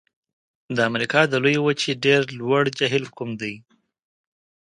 د امریکا د لویې وچې ډېر لوړ جهیل کوم دی؟